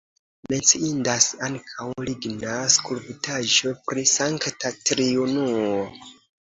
Menciindas ankaŭ ligna skulptaĵo pri Sankta Triunuo.